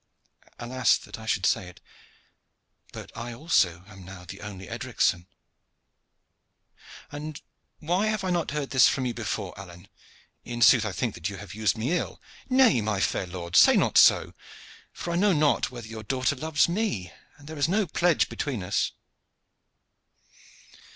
"Alas! that I should say it, but I also am now the only Edricson." "And why have I not heard this from you before, Alleyne? In sooth, I think that you have used me ill." "Nay, my fair lord, say not so; for I know not whether your daughter loves me, and there is no pledge between us."